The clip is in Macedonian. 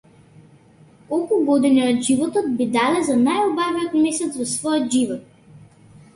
Колку години од животот би дале за најубавиот месец во својот живот?